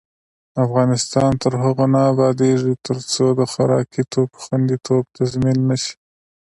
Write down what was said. افغانستان تر هغو نه ابادیږي، ترڅو د خوراکي توکو خوندیتوب تضمین نشي.